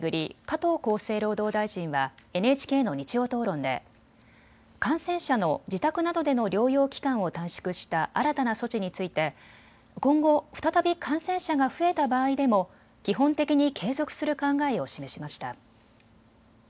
加藤厚生労働大臣はＮＨＫの日曜討論で感染者の自宅などでの療養期間を短縮した新たな措置について今後、再び感染者が増えた場合でも基本的に継続する考えを示しました。